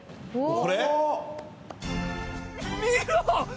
これ？